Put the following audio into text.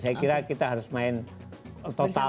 saya kira kita harus main total